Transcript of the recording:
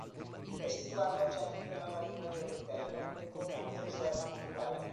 È situato al centro della Laguna di Orbetello, importante riserva naturale.